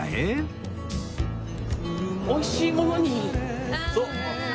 おいしいものに３人で。